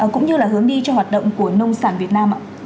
cũng như là hướng đi cho hoạt động của nông sản việt nam ạ